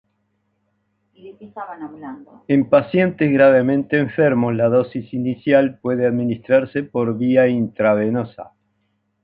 En pacientes gravemente enfermos, la dosis inicial puede administrarse por vía intravenosa.